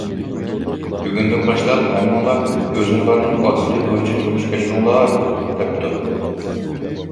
بۈگۈندىن باشلاپ، ھەممىڭلار ئۆزۈڭلارنىڭ ئادىتى بويىچە تۇرمۇش كەچۈرۈڭلار! دەپتۇ.